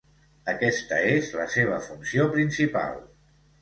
Aquesta és la seva funció principal.